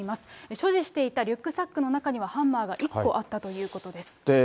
所持していたリュックサックの中には、ハンマーが１個あったということです。